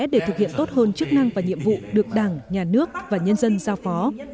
để thực hiện tốt hơn chức năng và nhiệm vụ được đảng nhà nước và nhân dân giao phó